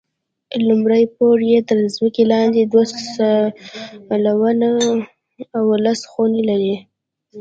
لومړی پوړ یې تر ځمکې لاندې دوه سالونونه او لس خونې لري.